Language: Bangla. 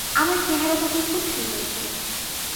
আমার চেহারা তখন খুব সুন্দর ছিল।